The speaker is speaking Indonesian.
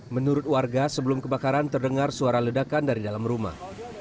menurut warga sebelum kebakaran terdengar suara ledakan dari dalam rumah